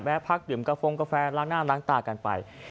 พักดื่มกาโฟงกาแฟล้างหน้าล้างตากันไป